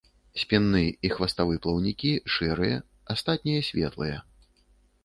Спінны і хваставы плаўнікі шэрыя, астатнія светлыя.